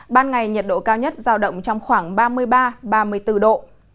ban ngày nhiệt độ cao nhất giao động trong khoảng ba mươi ba ba mươi bốn độ